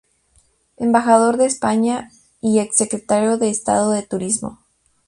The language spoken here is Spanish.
Embajador de España, y ex-secretario de Estado de Turismo.